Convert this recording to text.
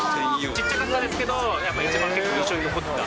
ちっちゃかったですけど、やっぱり一番結構印象に残った。